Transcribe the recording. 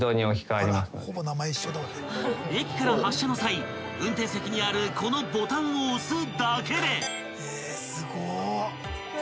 ［駅から発車の際運転席にあるこのボタンを押すだけで］